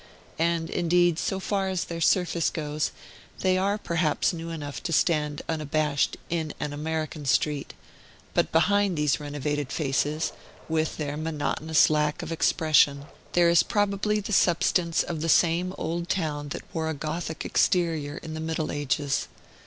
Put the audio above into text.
And, indeed, so far as their surface goes, they are perhaps new enough to stand unabashed in an American street; but behind these renovated faces, with their monotonous lack of expression, there is probably the substance of the same old town that wore a Gothic exterior in the Middle Ages.